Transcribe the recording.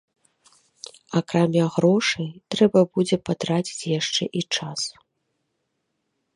Акрамя грошай, трэба будзе патраціць яшчэ і час.